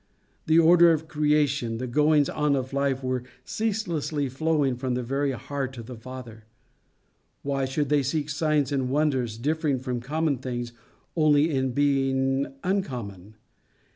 The order of creation, the goings on of life, were ceaselessly flowing from the very heart of the Father: why should they seek signs and wonders differing from common things only in being uncommon?